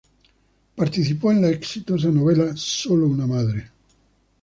Participó en la exitosa novela "Solo una madre".